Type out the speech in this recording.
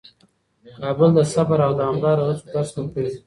کابل د صبر او دوامداره هڅو درس ورکوي.